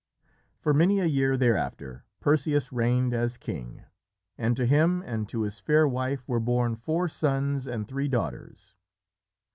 For many a year thereafter Perseus reigned as king, and to him and to his fair wife were born four sons and three daughters.